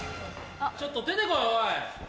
・ちょっと出てこいおい！